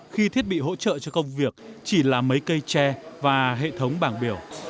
khi thiết bị hỗ trợ cho công việc chỉ là mấy cây tre và hệ thống bảng biểu